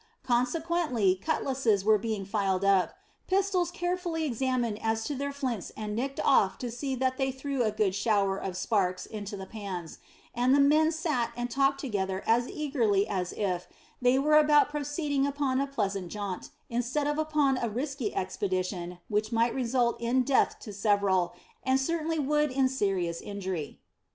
Consequently cutlasses were being filed up, pistols carefully examined as to their flints and nicked off to see that they threw a good shower of sparks into the pans, and the men sat and talked together as eagerly as if they were about proceeding upon a pleasant jaunt, instead of upon a risky expedition which might result in death to several, and certainly would in serious injury.